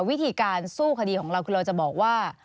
วิธีการสู้คดีของเราคือเราจะบอกว่า